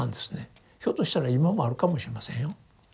ひょっとしたら今もあるかもしれませんよ。